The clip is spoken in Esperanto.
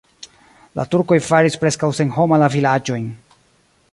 La turkoj faris preskaŭ senhoma la vilaĝojn.